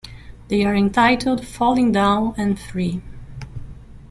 They are entitled "Falling Down" and "Free".